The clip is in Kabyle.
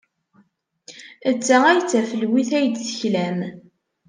D ta ay d tafelwit ay d-teklam.